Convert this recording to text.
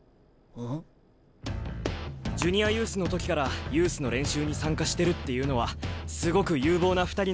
ジュニアユースの時からユースの練習に参加してるっていうのはすごく有望な２人なんだろうな。